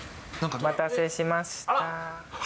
お待たせしました。